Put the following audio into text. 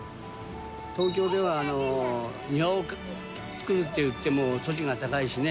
東京では庭を作るっていっても土地が高いしね、